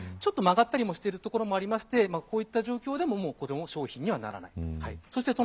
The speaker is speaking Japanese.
ちょっと曲がったりしているところもあってこういった状況でもう商品にはならない。